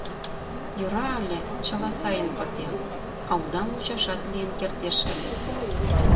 Йӧра але, чыла сайын пытен, а уда мучашат лийын кертеш ыле...